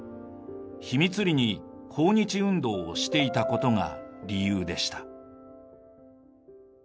秘密裏に抗日運動をしていたことが理由でした。